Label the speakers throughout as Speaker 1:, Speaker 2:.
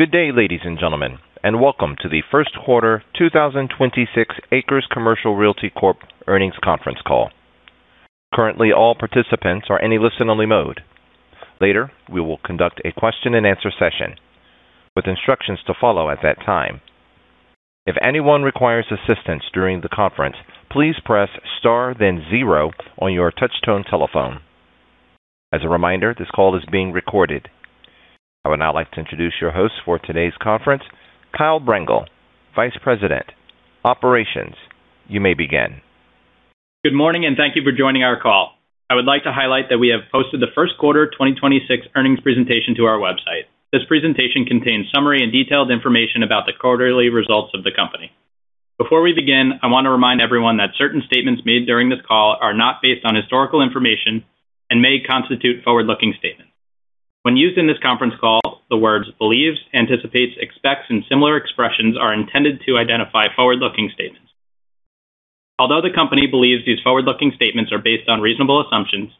Speaker 1: Good day, ladies and gentlemen, and welcome to the first quarter 2026 ACRES Commercial Realty Corp earnings conference call. Currently, all participants are in a listen-only mode. Later, we will conduct a question and answer session with instructions to follow at that time. If anyone requires assistance during the conference, please press star then zero on your touchtone telephone. As a reminder, this call is being recorded. I would now like to introduce your host for today's conference, Kyle K. Brengel, Vice President, Operations. You may begin.
Speaker 2: Good morning, thank you for joining our call. I would like to highlight that we have posted the first quarter 2026 earnings presentation to our website. This presentation contains summary and detailed information about the quarterly results of the company. Before we begin, I want to remind everyone that certain statements made during this call are not based on historical information and may constitute forward-looking statements. When used in this conference call, the words believes, anticipates, expects, and similar expressions are intended to identify forward-looking statements. Although the company believes these forward-looking statements are based on reasonable assumptions,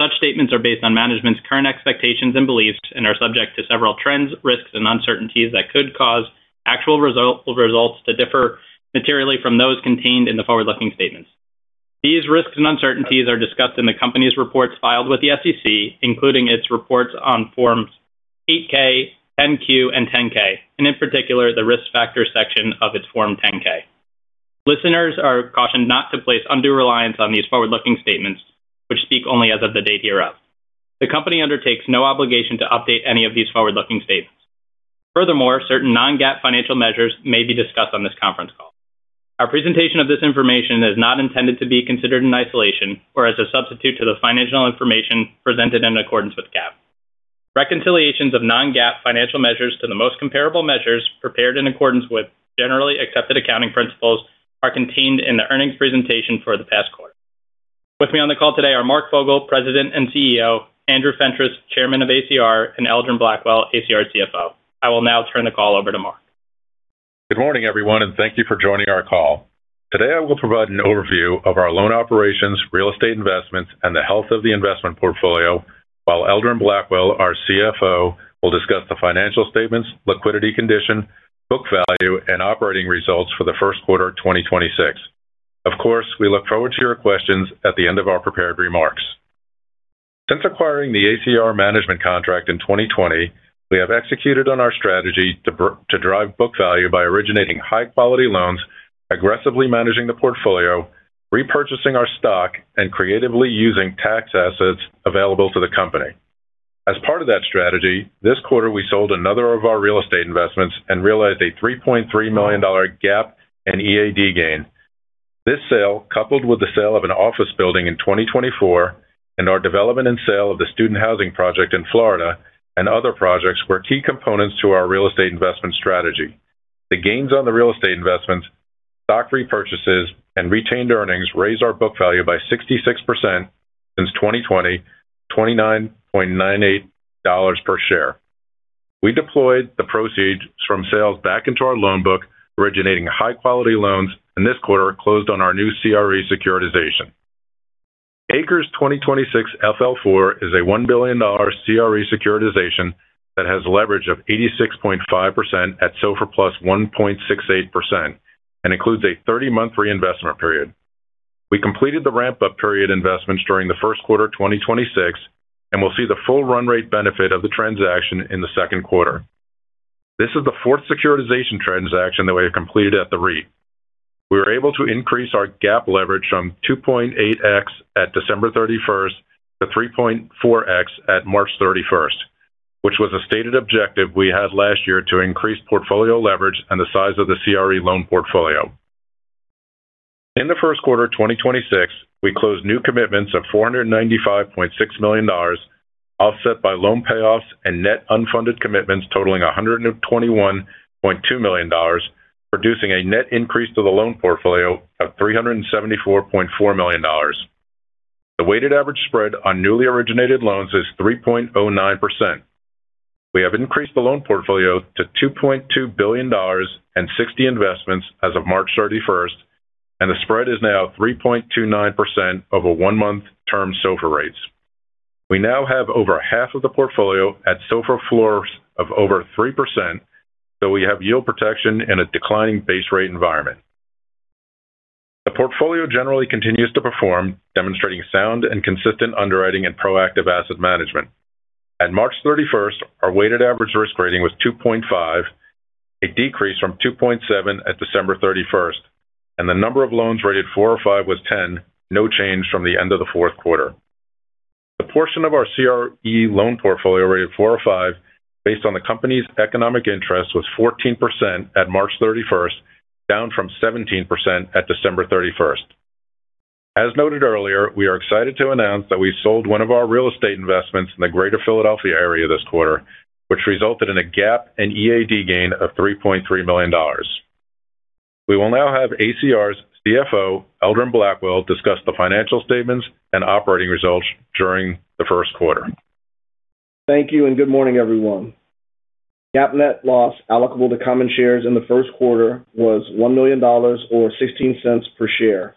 Speaker 2: such statements are based on management's current expectations and beliefs and are subject to several trends, risks, and uncertainties that could cause actual results to differ materially from those contained in the forward-looking statements. These risks and uncertainties are discussed in the company's reports filed with the SEC, including its reports on Forms 8-K, 10-Q, and 10-K, and in particular, the risk factor section of its Form 10-K. Listeners are cautioned not to place undue reliance on these forward-looking statements, which speak only as of the date hereof. The company undertakes no obligation to update any of these forward-looking statements. Certain non-GAAP financial measures may be discussed on this conference call. Our presentation of this information is not intended to be considered in isolation or as a substitute to the financial information presented in accordance with GAAP. Reconciliations of non-GAAP financial measures to the most comparable measures prepared in accordance with generally accepted accounting principles are contained in the earnings presentation for the past quarter. With me on the call today are Mark Fogel, President and CEO, Andrew Fentress, Chairman of ACR, and Eldron C. Blackwell, ACR CFO. I will now turn the call over to Mark.
Speaker 3: Good morning, everyone, and thank you for joining our call. Today, I will provide an overview of our loan operations, real estate investments, and the health of the investment portfolio, while Eldron C. Blackwell, our CFO, will discuss the financial statements, liquidity condition, book value, and operating results for the first quarter 2026. Of course, we look forward to your questions at the end of our prepared remarks. Since acquiring the ACR management contract in 2020, we have executed on our strategy to drive book value by originating high-quality loans, aggressively managing the portfolio, repurchasing our stock, and creatively using tax assets available to the company. As part of that strategy, this quarter we sold another of our real estate investments and realized a $3.3 million GAAP and EAD gain. This sale, coupled with the sale of an office building in 2024 and our development and sale of the student housing project in Florida and other projects, were key components to our real estate investment strategy. The gains on the real estate investment, stock repurchases, and retained earnings raised our book value by 66% since 2020, $29.98 per share. We deployed the proceeds from sales back into our loan book, originating high-quality loans, and this quarter closed on our new CRE securitization. ACRES 2026-FL4 is a $1 billion CRE securitization that has leverage of 86.5% at SOFR plus 1.68% and includes a 30-month reinvestment period. We completed the ramp-up period investments during the first quarter 2026 and will see the full run rate benefit of the transaction in the second quarter. This is the fourth securitization transaction that we have completed at the REIT. We were able to increase our GAAP leverage from 2.8x at December 31st to 3.4x at March 31st, which was a stated objective we had last year to increase portfolio leverage and the size of the CRE loan portfolio. In the first quarter 2026, we closed new commitments of $495.6 million, offset by loan payoffs and net unfunded commitments totaling $121.2 million, producing a net increase to the loan portfolio of $374.4 million. The weighted average spread on newly originated loans is 3.09%. We have increased the loan portfolio to $2.2 billion and 60 investments as of March 31st, and the spread is now 3.29% over one-month Term SOFR rates. We now have over half of the portfolio at SOFR floors of over 3%, so we have yield protection in a declining base rate environment. The portfolio generally continues to perform, demonstrating sound and consistent underwriting and proactive asset management. At March 31st, our weighted average risk rating was 2.5, a decrease from 2.7 at December 31st, and the number of loans rated four or five was 10, no change from the end of the fourth quarter. The portion of our CRE loan portfolio rated 4 or 5 based on the company's economic interest was 14% at March 31st, down from 17% at December 31st. As noted earlier, we are excited to announce that we sold one of our real estate investments in the Greater Philadelphia area this quarter, which resulted in a GAAP and EAD gain of $3.3 million. We will now have ACR's CFO, Eldron C. Blackwell, discuss the financial statements and operating results during the first quarter.
Speaker 4: Thank you, good morning, everyone. GAAP net loss allocable to common shares in the first quarter was $1 million or $0.16 per share.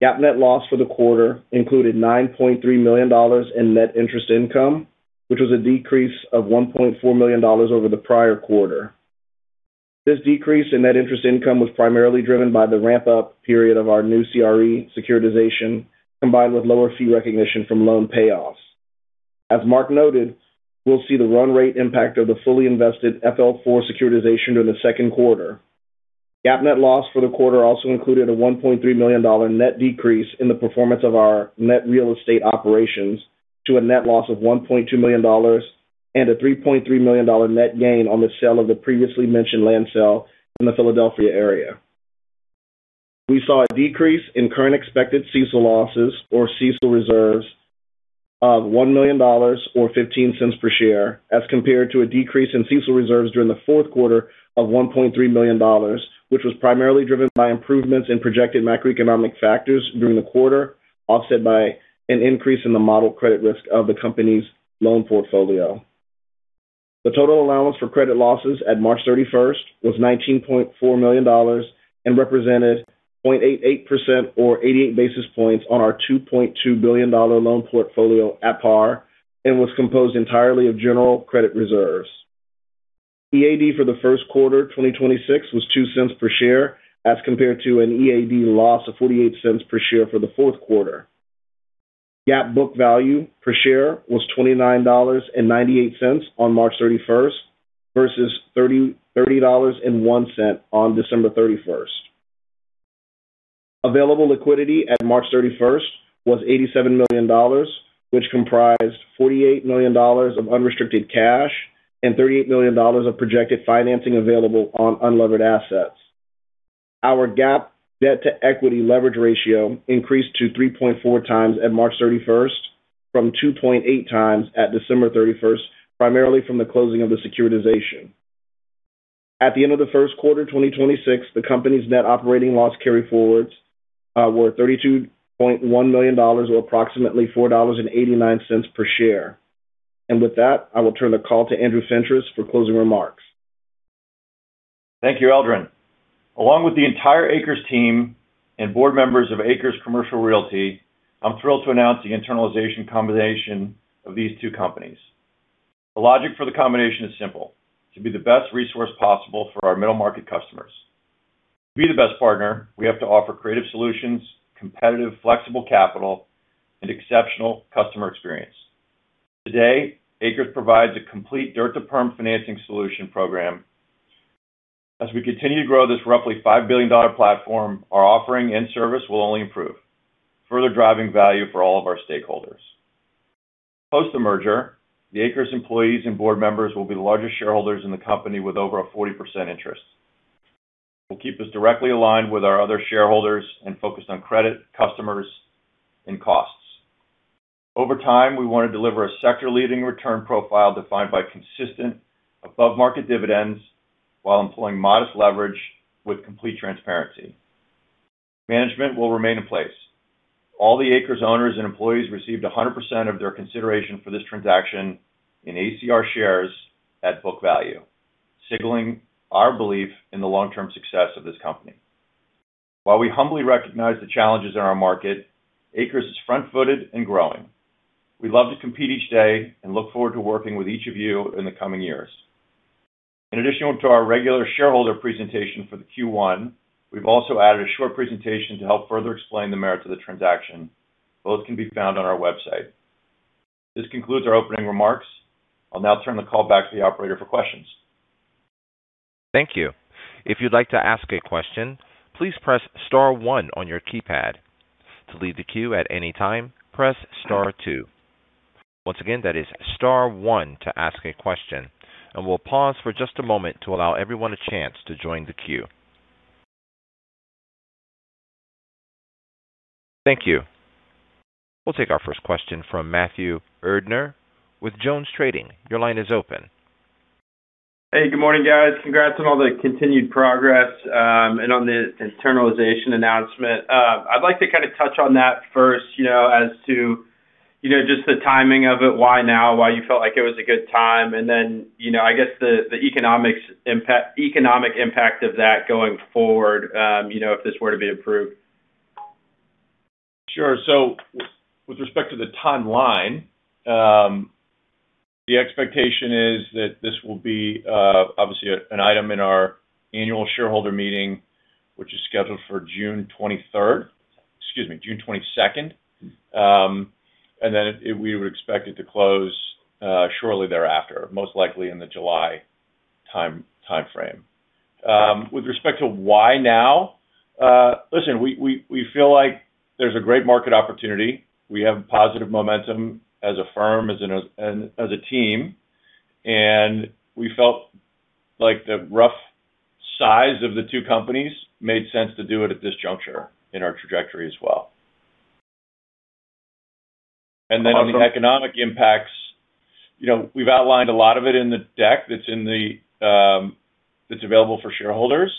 Speaker 4: GAAP net loss for the quarter included $9.3 million in net interest income, which was a decrease of $1.4 million over the prior quarter. This decrease in net interest income was primarily driven by the ramp-up period of our new CRE securitization, combined with lower fee recognition from loan payoffs. As Mark noted, we'll see the run rate impact of the fully invested FL4 securitization during the second quarter. GAAP net loss for the quarter also included a $1.3 million net decrease in the performance of our net real estate operations to a net loss of $1.2 million and a $3.3 million net gain on the sale of the previously mentioned land sale in the Philadelphia area. We saw a decrease in current expected CECL losses or CECL reserves of $1 million or $0.15 per share, as compared to a decrease in CECL reserves during the fourth quarter of $1.3 million, which was primarily driven by improvements in projected macroeconomic factors during the quarter, offset by an increase in the model credit risk of the company's loan portfolio. The total allowance for credit losses at March 31st was $19.4 million and represented 0.88% or 88 basis points on our $2.2 billion loan portfolio at par and was composed entirely of general credit reserves. EAD for the first quarter 2026 was $0.02 per share as compared to an EAD loss of $0.48 per share for the fourth quarter. GAAP book value per share was $29.98 on March 31st versus $30.01 on December 31st. Available liquidity at March 31st was $87 million, which comprised $48 million of unrestricted cash and $38 million of projected financing available on unlevered assets. Our GAAP debt-to-equity leverage ratio increased to 3.4 times at March 31st from 2.8 times at December 31st, primarily from the closing of the securitization. At the end of the first quarter 2026, the company's net operating loss carryforwards were $32.1 million or approximately $4.89 per share. With that, I will turn the call to Andrew Fentress for closing remarks.
Speaker 5: Thank you, Eldron. Along with the entire ACRES team and board members of ACRES Commercial Realty, I'm thrilled to announce the internalization combination of these two companies. The logic for the combination is simple: to be the best resource possible for our middle-market customers. To be the best partner, we have to offer creative solutions, competitive, flexible capital, and exceptional customer experience. Today, ACRES provides a complete dirt-to-perm financing solution program. As we continue to grow this roughly $5 billion platform, our offering and service will only improve, further driving value for all of our stakeholders. Post the merger, the ACRES employees and board members will be the largest shareholders in the company with over a 40% interest. We'll keep this directly aligned with our other shareholders and focused on credit, customers, and costs. Over time, we want to deliver a sector-leading return profile defined by consistent above-market dividends while employing modest leverage with complete transparency. Management will remain in place. All the ACRES owners and employees received 100% of their consideration for this transaction in ACR shares at book value, signaling our belief in the long-term success of this company. While we humbly recognize the challenges in our market, ACRES is front-footed and growing. We love to compete each day and look forward to working with each of you in the coming years. In addition to our regular shareholder presentation for the Q1, we've also added a short presentation to help further explain the merit of the transaction. Both can be found on our website. This concludes our opening remarks. I'll now turn the call back to the operator for questions.
Speaker 1: Thank you. Thank you. We'll take our first question from Matthew Erdner with Jones Trading. Your line is open.
Speaker 6: Hey, good morning, guys. Congrats on all the continued progress, and on the internalization announcement. I'd like to kind of touch on that first, you know, as to, you know, just the timing of it, why now, why you felt like it was a good time. Then, you know, I guess the economic impact of that going forward, you know, if this were to be approved.
Speaker 5: Sure. With respect to the timeline, the expectation is that this will be obviously an item in our annual shareholder meeting, which is scheduled for June 23rd, excuse me, June 22nd. We would expect it to close shortly thereafter, most likely in the July time frame. With respect to why now, listen, we feel like there's a great market opportunity. We have positive momentum as a firm, as a team, and we felt like the rough size of the two companies made sense to do it at this juncture in our trajectory as well. On the economic impacts, you know, we've outlined a lot of it in the deck that's in the that's available for shareholders.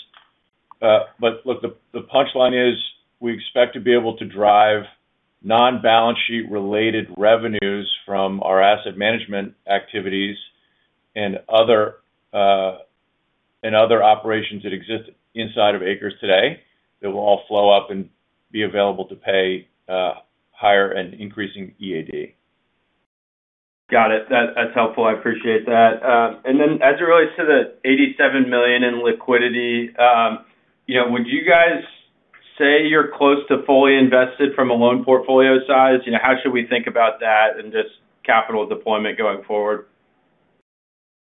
Speaker 5: Look, the punchline is we expect to be able to drive non-balance sheet related revenues from our asset management activities and other operations that exist inside of ACRES today that will all flow up and be available to pay higher and increasing EAD.
Speaker 6: Got it. That, that's helpful. I appreciate that. As it relates to the $87 million in liquidity, you know, would you guys say you're close to fully invested from a loan portfolio size? You know, how should we think about that and just capital deployment going forward?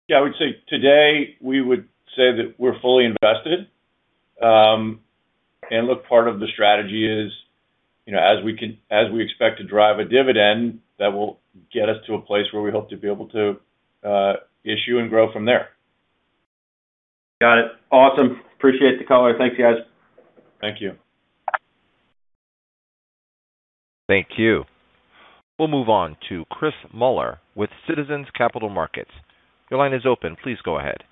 Speaker 5: Yeah, I would say today we would say that we're fully invested. Look, part of the strategy is, you know, as we expect to drive a dividend, that will get us to a place where we hope to be able to issue and grow from there.
Speaker 6: Got it. Awesome. Appreciate the color. Thanks, guys.
Speaker 5: Thank you.
Speaker 1: Thank you. We'll move on to Chris Muller with Citizens JMP Securities. Your line is open. Please go ahead.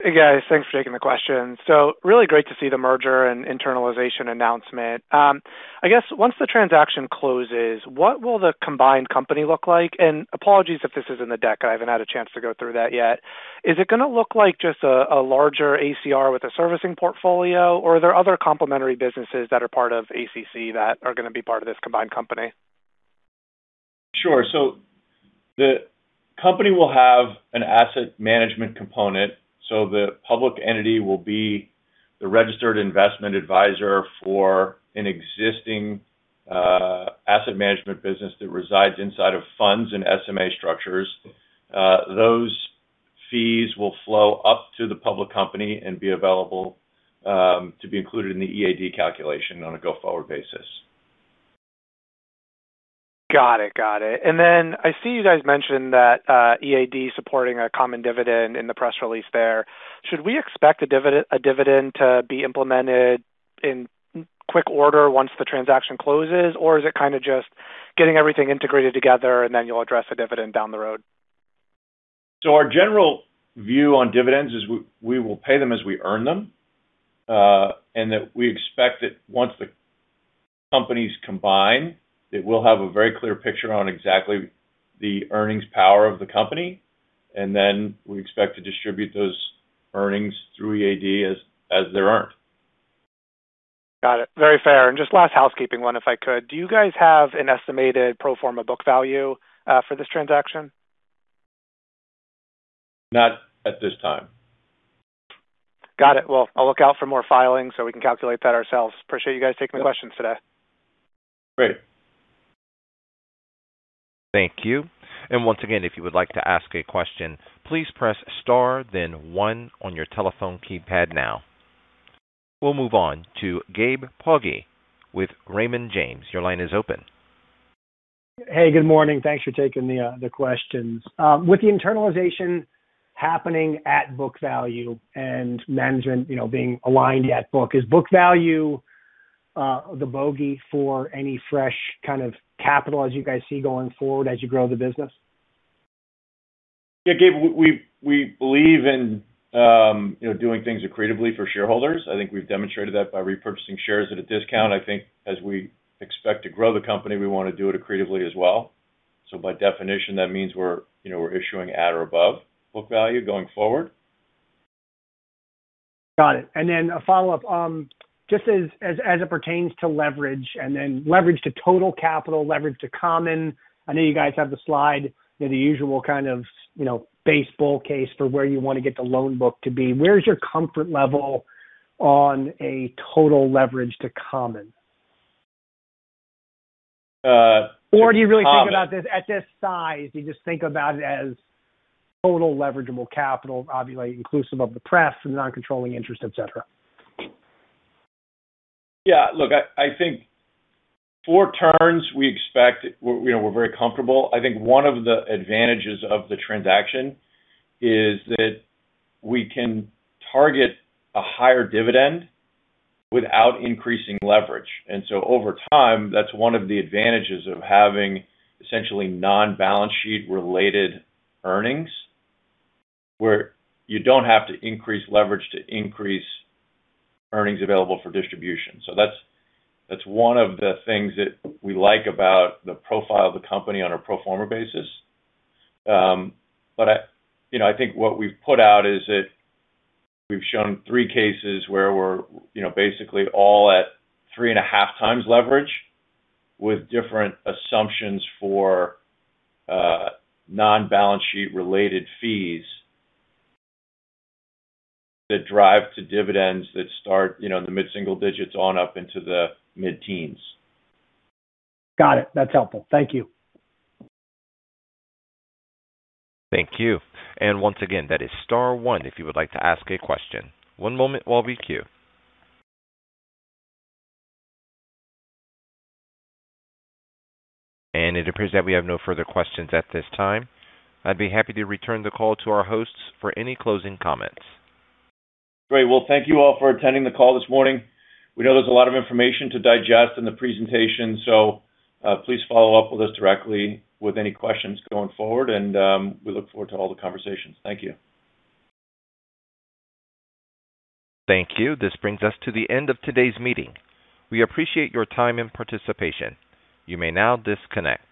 Speaker 7: Hey, guys. Thanks for taking the question. Really great to see the merger and internalization announcement. I guess once the transaction closes, what will the combined company look like? Apologies if this is in the deck, I haven't had a chance to go through that yet. Is it gonna look like just a larger ACR with a servicing portfolio, or are there other complementary businesses that are part of ACC that are gonna be part of this combined company?
Speaker 5: Sure. The company will have an asset management component. The public entity will be the registered investment advisor for an existing asset management business that resides inside of funds and SMA structures. Those fees will flow up to the public company and be available to be included in the EAD calculation on a go-forward basis.
Speaker 7: Got it. Got it. I see you guys mentioned that EAD supporting a common dividend in the press release there. Should we expect a dividend to be implemented in quick order once the transaction closes? Is it kind of just getting everything integrated together, and then you'll address a dividend down the road?
Speaker 5: Our general view on dividends is we will pay them as we earn them, and that we expect that once the companies combine, that we'll have a very clear picture on exactly the earnings power of the company, and then we expect to distribute those earnings through EAD as they're earned.
Speaker 7: Got it. Very fair. Just last housekeeping one, if I could. Do you guys have an estimated pro forma book value for this transaction?
Speaker 5: Not at this time.
Speaker 7: Got it. I'll look out for more filings so we can calculate that ourselves. Appreciate you guys taking the questions today.
Speaker 5: Great.
Speaker 1: Thank you. Once again, if you would like to ask a question, please press star then one on your telephone keypad now. We'll move on to Gabriel Poggi with Raymond James. Your line is open.
Speaker 8: Hey, good morning. Thanks for taking the questions. With the internalization happening at book value and management, you know, being aligned at book, is book value the bogey for any fresh kind of capital as you guys see going forward as you grow the business?
Speaker 5: Yeah, Gabe, we believe in, you know, doing things accretively for shareholders. I think we've demonstrated that by repurchasing shares at a discount. I think as we expect to grow the company, we want to do it accretively as well. By definition, that means we're, you know, we're issuing at or above book value going forward.
Speaker 8: Got it. Then a follow-up. Just as it pertains to leverage and then leverage to total capital, leverage to common, I know you guys have the slide, you know, the usual kind of, you know, baseball case for where you want to get the loan book to be. Where's your comfort level on a total leverage to common?
Speaker 5: Uh, common-
Speaker 8: Do you really think about this at this size? Do you just think about it as total leverageable capital, obviously inclusive of the preferred and non-controlling interest, et cetera?
Speaker 5: Yeah. Look, I think for turns, we expect, you know, we're very comfortable. I think one of the advantages of the transaction is that we can target a higher dividend without increasing leverage. Over time, that's one of the advantages of having essentially non-balance sheet-related earnings, where you don't have to increase leverage to increase earnings available for distribution. That's one of the things that we like about the profile of the company on a pro forma basis. But I, you know, I think what we've put out is that we've shown three cases where we're, you know, basically all at 3.5 times leverage with different assumptions for non-balance sheet-related fees that drive to dividends that start, you know, in the mid-single digits on up into the mid-teens.
Speaker 8: Got it. That's helpful. Thank you.
Speaker 1: Thank you. Once again, that is star one if you would like to ask a question. One moment while we queue. It appears that we have no further questions at this time. I'd be happy to return the call to our hosts for any closing comments.
Speaker 5: Great. Well, thank you all for attending the call this morning. We know there's a lot of information to digest in the presentation, so, please follow up with us directly with any questions going forward, and, we look forward to all the conversations. Thank you.
Speaker 1: Thank you. This brings us to the end of today's meeting. We appreciate your time and participation. You may now disconnect.